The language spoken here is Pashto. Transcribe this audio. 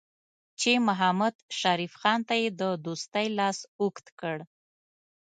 چې محمدشریف خان ته یې د دوستۍ لاس اوږد کړ.